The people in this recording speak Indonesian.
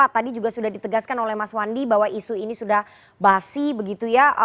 tadi juga sudah ditegaskan oleh mas wandi bahwa isu ini sudah basi begitu ya